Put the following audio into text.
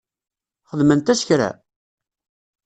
Xedment-as kra?